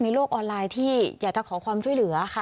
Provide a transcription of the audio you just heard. โลกออนไลน์ที่อยากจะขอความช่วยเหลือค่ะ